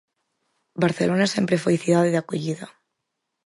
Barcelona sempre foi cidade de acollida.